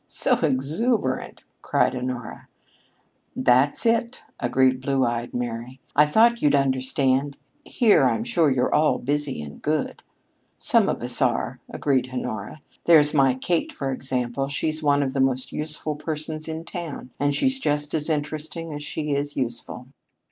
"So exuberant!" cried Honora. "That's it!" agreed "Blue eyed Mary." "I thought you'd understand. Here, I'm sure, you're all busy and good." "Some of us are," agreed Honora. "There's my Kate, for example. She's one of the most useful persons in town, and she's just as interesting as she is useful."